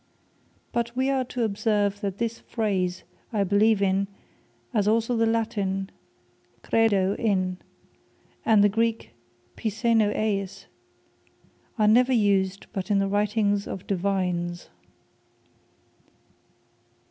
But wee are to observe that this Phrase, I Beleeve In; as also the Latine, Credo In; and the Greek, Pisteno Eis, are never used but in the writings of Divines.